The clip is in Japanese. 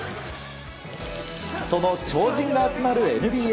その超人が集まるＮＢＡ。